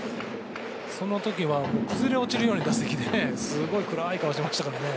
そのときは崩れ落ちるように打席で、すごい暗い顔してましたからね。